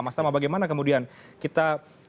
mas tama bagaimana kemudian kita